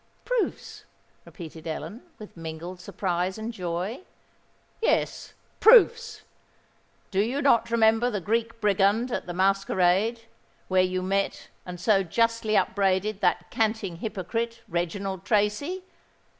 "Proofs!" repeated Ellen, with mingled surprise and joy. "Yes—proofs. Do you not remember the Greek Brigand at the masquerade, where you met and so justly upbraided that canting hypocrite, Reginald Tracy?"